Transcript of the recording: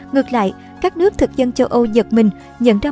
ngược lại các nước thực dân châu âu giật mình nhận ra một châu á đang trỗi dậy